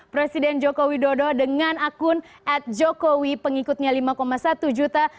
presiden joko widodo dengan akun at jokowi pengikutnya lima satu juta